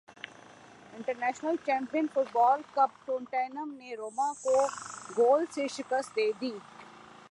international Champion Football Cup Tottenham نے Roma کو گول سے شکست دے دی